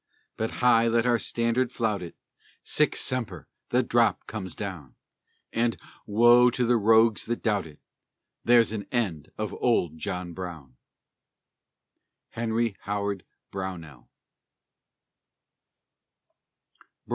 But high let our standard flout it! "Sic Semper" the drop comes down And (woe to the rogues that doubt it!) There's an end of old John Brown! HENRY HOWARD BROWNELL.